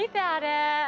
あれ。